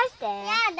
やだ！